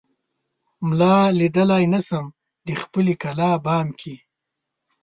ملا ليدای نه شم دخپلې کلا بام کې